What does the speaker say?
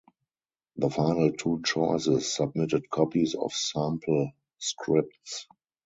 The final two choices submitted copies of sample scripts.